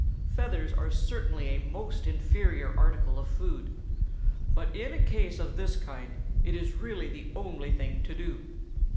Feathers are certainly a most inferior article of food; but in a case of this kind it is really the only thing to do.